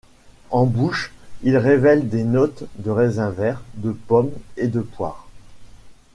En bouche, il révèle des notes de raisin vert, de pomme et de poire.